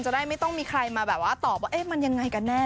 จะได้ไม่ต้องมีใครมาแบบว่าตอบว่ามันยังไงกันแน่